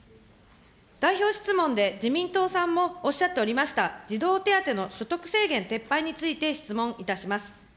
代表質問で自民党さんもおっしゃっておりました、児童手当の所得制限の撤廃について質問いたします。